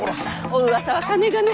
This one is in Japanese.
おうわさはかねがね。